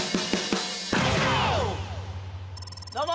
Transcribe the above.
どうも！